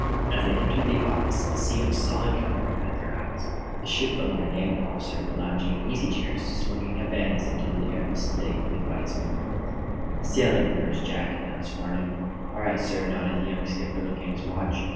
As they entered the office a scene of "solid comfort" met their eyes. Shipbuilder and naval officer were lounging in easy chairs, smoking Havanas until the air was thick and white with the smoke. "Sailing orders, Jack," announced Farnum. "All right, sir," nodded the young skipper, looking at his watch.